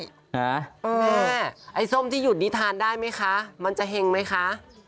แม่ไอ้ส้มที่หยุดนี้ทานได้ไหมคะมันจะเห็งไหมคะ